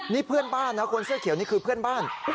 นี่เพื่อนบ้านนะคนเสื้อเขียวนี่คือเพื่อนบ้าน